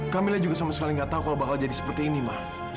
kamilah juga sama sekali nggak tahu kalau bakal jadi seperti ini mah